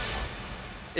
え